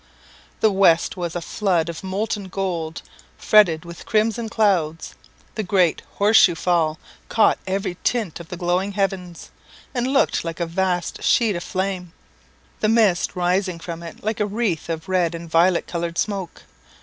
The west was a flood of molten gold, fretted with crimson clouds; the great Horse shoe Fall caught every tint of the glowing heavens, and looked like a vast sheet of flame, the mist rising from it like a wreath of red and violet coloured smoke.